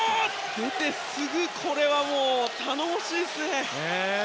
出てすぐこれは頼もしいっすね！